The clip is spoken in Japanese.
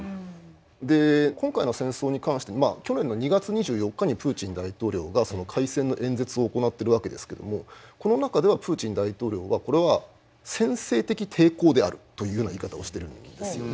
で今回の戦争に関して去年の２月２４日にプーチン大統領がその開戦の演説を行ってるわけですけどもこの中ではプーチン大統領は「これは先制的抵抗である」というような言い方をしてるんですよね。